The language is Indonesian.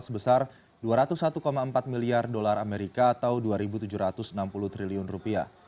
sebesar dua ratus satu empat miliar dolar amerika atau dua tujuh ratus enam puluh triliun rupiah